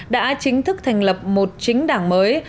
đã chính thức thành lập một chính đảng mới